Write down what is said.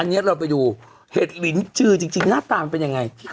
อันนี้เราไปดูเห็ดลินจือจริงหน้าตามันเป็นยังไง